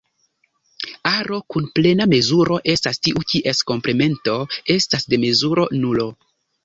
Aro kun plena mezuro estas tiu kies komplemento estas de mezuro nulo.